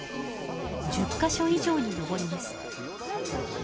１０か所以上に上ります。